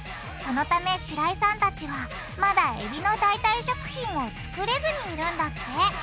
そのため白井さんたちはまだえびの代替食品を作れずにいるんだってえ！